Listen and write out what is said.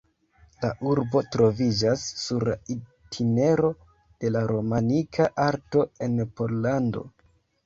La urbo troviĝas sur la itinero de la romanika arto en Pollando.